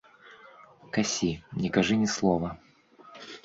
Касі не кажы ні слова.